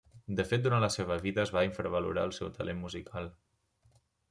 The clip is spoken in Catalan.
De fet durant la seva vida es va infravalorar el seu talent musical.